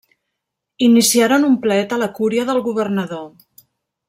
Iniciaren un plet a la cúria del governador.